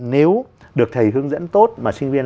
nếu được thầy hướng dẫn tốt mà sinh viên